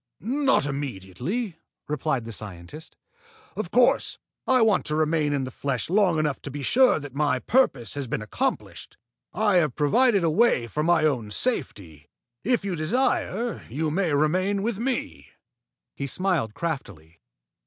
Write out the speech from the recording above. "Not immediately," replied the scientist. "Of course, I want to remain in the flesh long enough to be sure that my purpose has been accomplished. I have provided a way for my own safety. If you desire, you may remain with me." He smiled craftily.